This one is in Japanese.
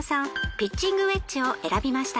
ピッチングウェッジを選びました。